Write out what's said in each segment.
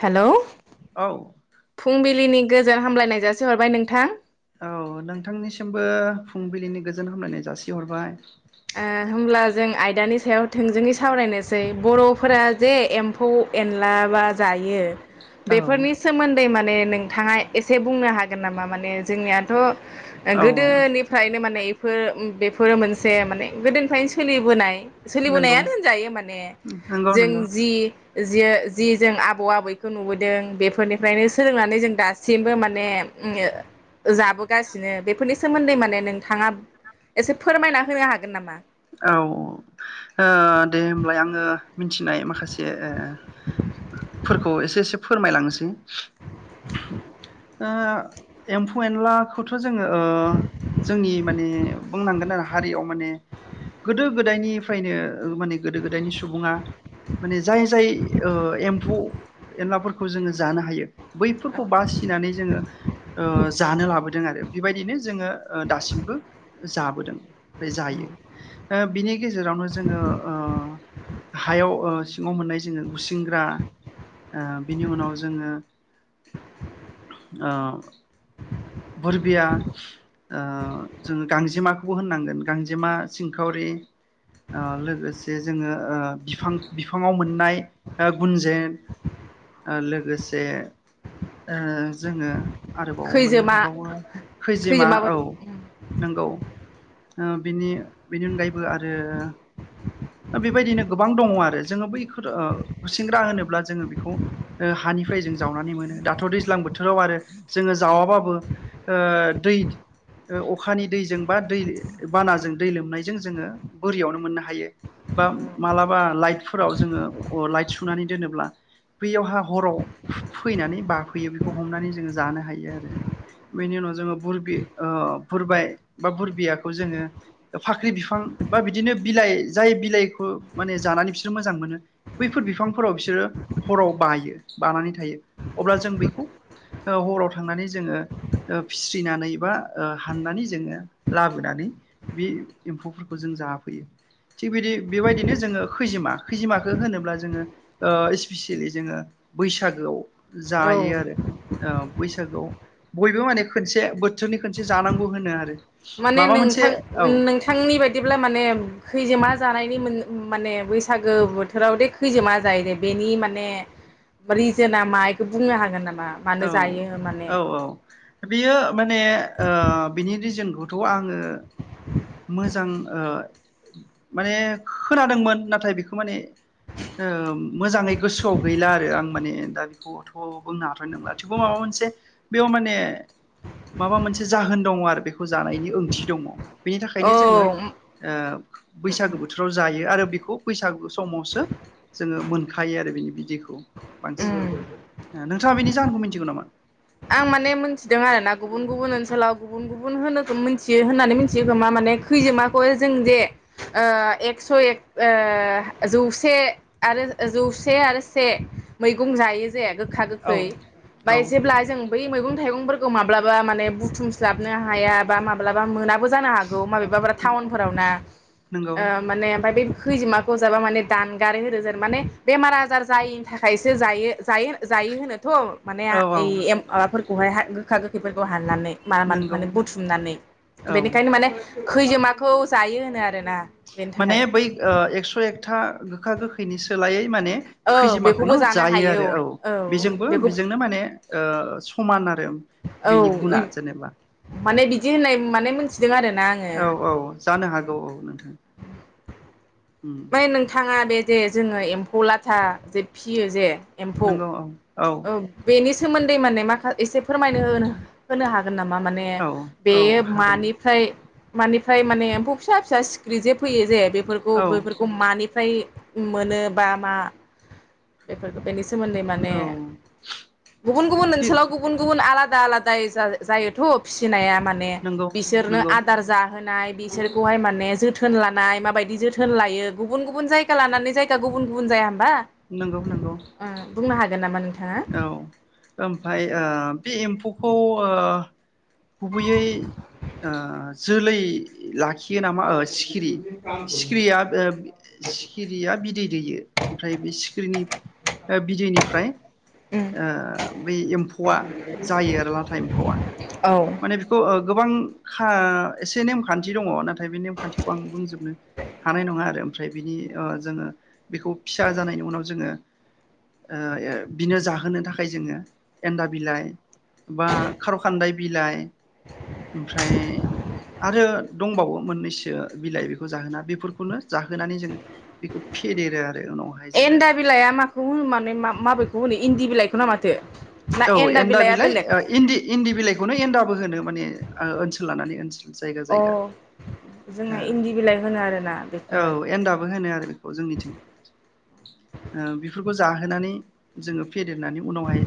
Hello औ फुंबिलिनि गोजोन हामलायनाय जासिहरबाय नोंथां । औ नोंथांनिसिमबो फुंबिलिनि गोजोन हामलायनाय जासिहरबाय । ओ होमब्ला जों आयदानि सायाव थोंजोङै सावरायनोसै बर'फोरा जे एम्फौ एनला बा जायो औ बेफोरनि सोमोन्दै माने नोंथांङा एसे बुंनो हागोन नामा? मा माने जोंनियाथ' ओ औ गोदोनिफ्रायनो माने ए फो उम बेफोर मोन से माने गोदोनिफ्रायनो सोलिबोनाय नंगौ सोलिबोनायानो होनजायो माने नंगौ नंगौ जों जि जिङो जि जों आबौ आबैखौ नुबोदों बेफोरनिफ्रायनो सोलोंनानै जों दा सिमबो माने उमओ जाबोगासिनो बेफोरनि सोमोन्दै माने नोंथांङा एसे फोरमायना होनो हागोन नामा? औ ओ दे होमबालाय आंङो मिथिनाय माखासे ओ फोरखौ एसे एसे फोरमायलांनोसै ओ एम्फौ एनलाखौथ' जोंङो ओ जोंनि माने बुंनांगोन आरो हारियाव माने गोदो गोदायनिफ्रायनो माने गोदो गोदायनि सुबुंङा माने जाय जाय ओ एम्फौ एनलाफोरखौ जोंङो जानो हायो बैफोरखौ बासिनानै जोंङो ओ जानो लाबोदों आरो बेबायदिनो जोंङो दासिमबो जाबोदों ओमफ्राय जायो । ओ बिनि गेजेरावनो ओ जोंङो हायाव ओ सिङाव मोननाय जोंङो ओ गुसिंग्रा बिनि उनाव जोंङो ओ बुरबिया ओ जोंङो गांजेमाखौबो होननांगोन गांजेमा सिंखावरि ओ लोगोसे जोंङो ओ बिफां बिफांङाव मोननाय ओ गुनजेर ओ लोगोसे ओ जोंङो आरोबाव मोननो खैजोमा हा खैजिमा खैजोमाबो औ नंगौ ओ बिनि बिनि अनगायैबो आरो बेबायदिनो गोबां दंङ आरो जोंङो बैफोर ओ खुसेंग्रा होनोब्ला जोंङो बेखौ ओ हानिफ्राय जों जावनानै मोनो दाथ' दैज्लां बोथोराव आरो जोंङो जावाबाबो ओ दै अखानि दैजों बा दै बानाजों दै लोमनायजों जोंङो बोरियावनो मोननो हायो । बा मालाबा लाइटफोराव जोंङो अ लाइट सुनानै दोनोब्ला बैयावहा हराव फैनानै बाफैयो बेखौ हमनानै जोंङो जानो हायो आरो बेनि उनाव जोंङो बुरबि ओ बुरबाय बा बुरबियाखौ जोंङो फाख्रि बिफां बा बिदिनो बिलाइ जाय बिलाइखौ माने जानानै बिसोर मोजां मोनो बैफोर बिफांफोराव बिसोरो हराव बायो बानानै थायो । अब्ला जों बेखौ ओ हराव थांनानै ओ जोंङो फिस्रिनानै बा हाननानै जोंङो लाबोनानै बे एम्फौफोरखौ जों जाफैयो । थिग बिदि बेबायदिनो जोंङो खैजिमा खैजिमाखौ होनोब्ला जोंङो ओ इसपिसियेलि जोंङो बैसागोआव औ जायो आरो ओ बै सागोआव बयबो माने खोनसे बोथोरनि खोनसे जानांगौ होनो आरो । माने नोंथां नोंथांनि बायदिब्ला माने खैजोमा जानायनि मोन माने बैसागो बोथोराव दे खैजोमा जायो दे बेनि माने रिजोन मा बेखौ बुंनो हागोन नाम मा मानो जायो माने बेयो माने ओ बिनि रिजोनखौथ' आंङो ओ मोजां ओ माने खोनादोंमोन नाथाय बेखौ माने ओ मोजांङै गोसोआव गैला आरो आं माने दा बेखौथ' बुंनो हा नंला थेवबो माबा मोनसे बेयाव माने माबा मोनसे जाहोन दङ आरो बे जानायनि ओंथि दङ बेनि औ थाखायनो जोङो ओ बैसागो बोथोराव जायो आरो बेखौ बैसागु समावसो जोङो मोनखायो आरो बिनि बिदैखो उम बांसिनानो थाङा बिनि जाहोनखौ मिथिगौ? नामा? आं माने मोनथिदों आरोना गुबुन गुबुन ओनसोलाव गुबुन गुबुन होनोखौ मिथियो होननानै मिथियो खोमा माने खैजोमाखौ जों जे ओ एक्स' एक ओ जौसे आरो जौसे आरो से मैगं जायो। जे गोखा औ गोखै औ बाय जेब्ला बै मैगं थाइगंफोरखौ माब्लाबा माने बुथुमस्लाबनो हाया बा माब्लाबा मोना बो जानो हागौ माबेबाफ्रा टाउन फोरावना नंगौ ओ आयफाय माने [unintelligible] खैजिमाखौ जाबा माने दानगारो होनोजे माने बेमार आजार जायिनि थाखायसो जायो जायो जायो होनोथ'। माने औ औ ऐ इम फोरखौहाय हा गोखा गोखैफोर खौ हाननानै मान नंगौ माने बुथुमनानै औ बेनिखायनो माने खैजोमाखौ जायो होनो आरोना‌। माने बै ओ एक्स' एकथा गोखा गोखैनि सोलायै माने औ बेखौबो खैजिमाखौनो जानो जायो हायो आरो औ बेजोंबो बेखौ बेजोंनो माने ओ समान आरो। औ बिनि गुना जेनेबा माने दि होननाय माने मोनसे औ औ जानो हागौ औ नोंथां। उम ओमफ्राय नोंथाङा बे जे जोङो एम्फौ लाथा जे फियो जे एम्फौ नोंगौ औ। औ बेनि सोमोन्दै माने माखा एसे फोरमायनो हो होनो हागोन? गोन नामा माने औ औ बेयो हागोन मानिफ्राय? मानिफ्राय माने एम्फौ फिसा फिसा सिखिरि जे फैयो जे बेफ बफोरखौ औ बैफोरखौ मानिफ्राय मोनो बा मा बेफोरखौ बेनि सोमोन्दै औ माने गुबुन गुबुन ओनसोलाव गुबुन गुबुन आलादा आलादा आलादा जायोथ' फिसिनाया। माने नंगौ बिसोरनो नंगौ आदार जाहोनाय बिसोरखौहाय माने जोथोन लानाय माबायदि जोथोन लायो गुबुन गुबुन जायगा लानानै जायगा गुबुन गुबुन जाया होमबा नंगौ नंगौ ओ बुंनो हागोन नामा नों औ ओमफाय ओ बे एम्फौखौ ओ गुबैयै ओ जोलै लाखि यो नामा सिखिरि सिखिरिया सिखिरिया बिदै दैयो आमफ्राय बे सिखिरिनि बिदैनिफ्राय ओ बै एम्फौआ जायो आरो लाथा एम्फौआ। औ माने बेखौ ओ गोबां खा एसे नेमखान्थि दङ नाथाय नाथाय बे नेमखान्थिखौ आं बुंजोबनो हानाय नङा आरो आमफ्राय बिनि ओ जोङो बेखौ फिसा जानायनि उनाव जोङो ओ बिनो जाहोनो थाखाय जोङो एन्दा बिलाइ बा खारखान्दाय बिलाइ ओमफ्राय आरो दंबावो मोननैसो बिलाइ बेखौ जाहोना बेफोरखौनो जाहोनानै जोङो बेखौ फेदेरो आरो। उनावहाय जोङो एन्दा बिलाइआ माखौ होनो माने माबेखौ होनो इन्दि बिलाइखौ ना माथो? ना औ एन्दा बिलाइआ बिलाइ बेलेग इन्दि इन्दि बिलाइखौनो एन्दाबो होनो माने ओ ओनसोल लानानै ओनसोल। जायगा अ जायगा जोंना ओ इन्दि बिलाइ होनो आरोना। औ बेखौहाय एन्दाबो होनो आरो बेखौ जोंनिथिं बिफोर खौ जाहोनानै जोङो फेदेरनानै उनावहाय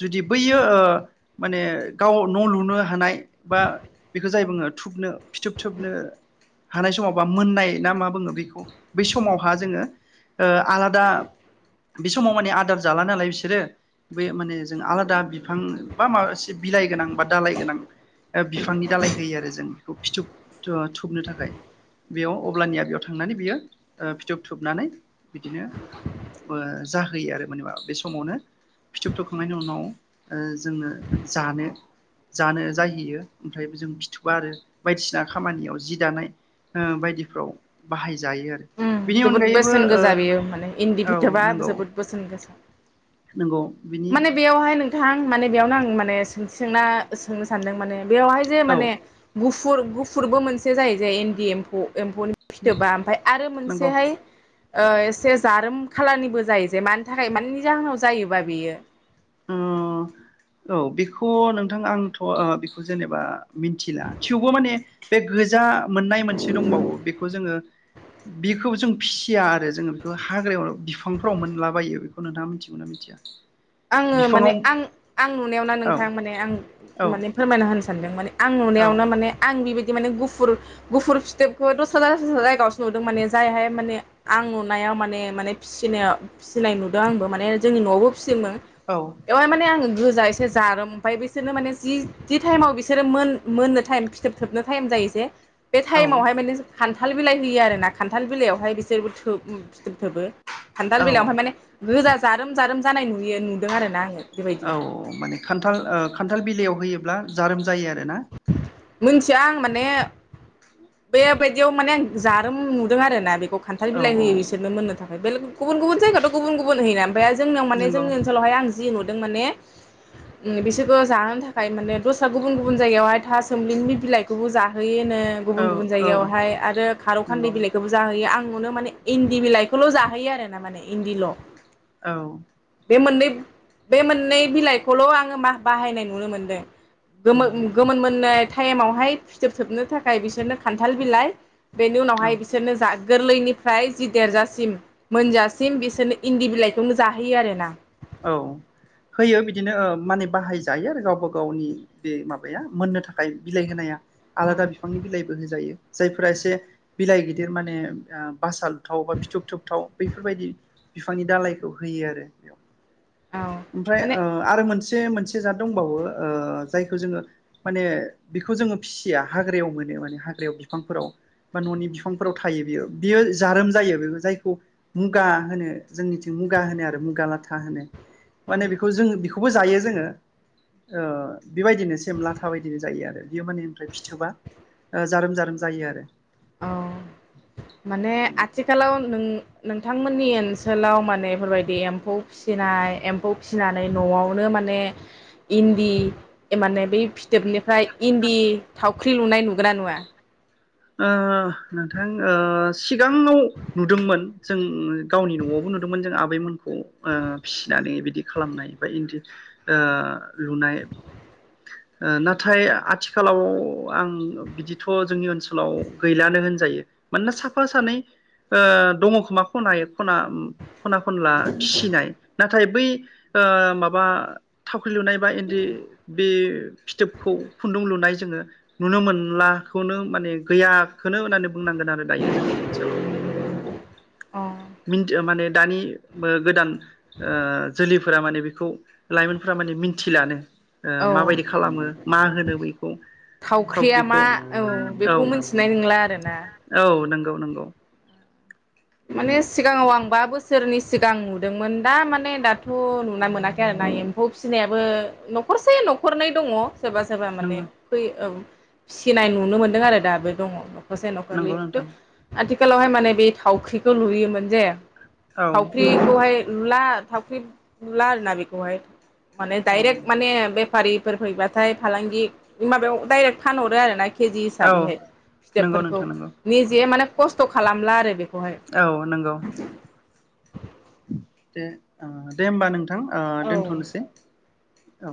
जुदि बैयो माने गाव न लुनो हानाय बा बेखौ जाय बुङो थुबनो फिथोब थोबनो हानाय समाव बा मोननाय ना मा बुङो बेखौ बै समावहा जोङो ओ आलादा बे समाव माने आदार जाला नालाय बिसोरो बे माने जों आलादा बिफां बा माबा एसे बिलाइ गोनां बा दालाय गोनां बिफांनि दालाय होयो आरो जों बेखौ फिथोब थोबनो थाखाय बेयाव। अब्लानिया बेयाव थांनानै बियो फिथोब थोबनानै बिदिनो जाहोयो आरो मानेबा बे समावनो फिथोब थोबखांनायनि उनाव जोङनो जानो जानो जाहैयो ओमफ्राय जों बिथोबा आरो बायदिसिना खामानियाव जि दानाय ओ बायदि फोराव बाहायजायो आरो। जोबोद अनगायैबो बेसेन ओ गोसा बेयो माने इन्दि औ फिथोबा नंगौ जोबोद बेसेन गोसा नंगौ बिनि माने बेयावहाय नों थां माने बेयावनो आं माने सोंथि सोंना सोंनो सानदों माने बेवहाय जे औ माने गु फुर गुफुरबो मोनसे जायो जायो इन्दि एम्फौ। एम्फौनि फिथोबा आमफ्राय आरो मोनसे बे नंगौ हाय ओ एसे जारोम खालारनिबो जायो जे मानि थाखाय मानि जाहोनाव जायोबा बेयो। अ औ बेखौ नोंथां आंथ बेखौ जेनेबा मिथिला थेवबो माने बे गोजा मोननाय मोनसे दंबावो बेखौ जोङो बेखौ जों फिसिया आरो जोङो बेखौ हाग्रायाव बिफांफ्राव मोनलाबायो बेखौ नोंथाङा मिथिगौना मिथिया आङो माने बिफाङाव आं आं नुनायावना औ नोंथां माने आं औ माने फोरमायना होनो सानदों माने आं औ नुनायावनो माने आं बिबायदि बे माने गुफुर गुफुर फिथोबखौ दस्रा जायगायावसो नुदों माने जायहाय माने आं नुनायाव माने माने फिसिनायाव फिसिनाय नुदों आंबो माने जोंनि न'आवबो फिसियोमोन एवाय माने आङो गोज बुरजा एसे जारोम ओमफ्राय बिसोरनो माने जि टाइमाव बिसोरो मोन मोननो टाइम फिथोब थोबनो टाइम जायो जे बे औ टाइमावहाय माने खान्थाल बिलाइ होयो आरो ना खान्थाल बिलाइयावहाय बिसोरबो थोब फिथोब थोबो खान्थाल औ बिलाइआव ओमफाय माने गोजा जारोम जारोम जानाय नुयो नुदों आरोना आङो बेबायदि औ माने खान्थाल ओ खान्थाल बिलाइयाव होयोब्ला जारोम जायो आरोना मोनथिया आं माने बेबायदियाव माने आ जारोम नुदों आरोना बेखौ औ खान्थार बिलाइ होयै होयै बिसोरनो मोन नोंथां बेलग गुबुन गुबुन जायगाथ' गुबुन गुबुन होयो ना दा जोंनियाव माने नंगौ जोंनि ओनसोलावहाय जि नुदों माने उम बिसोरखौ जाहोनो थाखाय माने दस्रा गुबुन गुबुन गुबुन जायगायावहाय था सोमलिनि बिलाइखौबो जाहोयो नो गुबुन औ गुबुन औ जायगायावहाय आरो खारौ खान्दै नंगौ बिलाइखौबो जाहैयो आं फुंआवनो माने इन्दि बिलाइखौल' जाहोयो आरो ना माने इन्दिल' औ बे मोननै बे मोननै बिलाइखौल' आङो मा बाहायनाय नुनो मोनदों गोमो उम गोमोन मोननाय टाइमावहाय फिथोब थोबनो थाखाय बिसोरनो खान्थाल बिलाइ बेनि औ उनावहाय बिसोरनो जा गोरलैनिफ्राय जि देरजासिम मोनजासिम बिसोरनो इन्दि बिलाइखौनो जाहोयो आरो ना औ होयो बिदिनो ओ माने बाहायजायो आरो गावबा गावनि बे माबाया मोननो थाखाय बिलाइ होनाया आलादा बिफांनि बिलाइबो होजायो जायफोरा एसे बिलाइ गिदिर माने ओ बासाल थाव बा फिथुफ थुबथाव बैफोरबायदि बिफांनि दालायखौ होयो आरो बेयाव औ ओमफ्राय माने ओ आरो मोनसे मोनसे मोनसे जाद दंबावो ओ जायखौ जोङो माने बेखौ जोङो फिसिया हाग्रायाव मोनो माने हाग्रायाव बिफांफोराव बा न'नि बिफांफोराव थायो बेयो बेयो जारोम जायो बेबो जायखौ मुगा होनो जोंनिथिं मुगा होनो आरो मुगा लाथा होनो माने औ बेखौ जों बेखौ खौबो जायो जोङो ओ बेबायदिनो सेम लाथा बायदिनो जायो आरो। बियो माने ओमफ्राय फिथोबा ओ जारोम जारोम जायो आरो। औ माने आथिखालाव नों नोंथांमोननि ओनसोलाव माने बेफोरबायदि एम्फौ फिसिनाय एम्फौ फिसिनानै न'आवनो माने इन्दि माने बे फिथोबनिफ्राय इन्दि थाव ख्रि लुनाय नुगो ना नुवा? ओ नोंथां ओ सिगाङाव नुदोंमोन जों गावनि न'आवबो नुदोंमोन जों आबैमोनखौ ओ फिसिनानै बिदि खालामनाय बा इन्दि ओ लुनाय ओ नाथाय आथिखालाव आं बिदिथ' जोंनि ओनसो मानोना साफा सानै ओ दङ खोमा खनायै खना खना खनला फिसिनाय ना थाय बि ओ माबा थाव खु लुनाय बा इन्दि बि फिथोबखौ खुन्दुं लुनाय जोङो नुनो मोनलाखौनो माने गैयाखोनो होननानै बुंनांगोन आरो दायो जोंनि ओनसोलाव अ मिन माने दानि बो गोदान ओ जोलै फोरा माने बेखौ लाइमोनफोरा माने मिन्थिलानो। ओ औ माबायदि खालामो मा होनो बैखौ थावख्रिया थावख्रिखौ मा औ औ बेखौ मोनथि नाय नंला आरो। औ नों गौ नंगौ। माने सिगाङाव आं बा बोसोरनि सिगां नुदोंमोन दा माने दाथ' नुना मोनाखै आरो ना एम्फौ फिनायाबो न'खरसे न'खरनै दङ। सोरबा सोरबा माने नंगौ फै औ फिसिनाय नुनो मोनदों आरो दाबो दङ दं? न'खरसे न'खरनै नंगौ थु नोंथां आथि खालावहाय माने बि थावख्रिखौ लुयोमोन जे औ थावख्रिखौहाय लुला थावख्रि लुला आरो ना बेखौहाय माने औ दाइरेक नंगौ माने बेफारि फोर फैबाथाय फालांगि माबायाव डाइरेक्ट फानहरो आरो ना। केजि औ हिसाबैहाय नंगौ फिथोबफोरखौ नोंथां नंगौ निजे माने खस्थ' खालामला आरो बे औ नंगौ। दे अ दे होमबा नों थां औ दोन्थ'नोसै। औ।